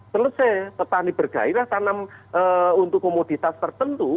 selesai petani bergaya lah tanam untuk komoditas tertentu